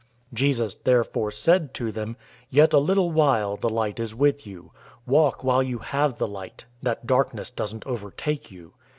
012:035 Jesus therefore said to them, "Yet a little while the light is with you. Walk while you have the light, that darkness doesn't overtake you.